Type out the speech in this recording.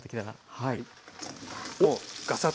はい。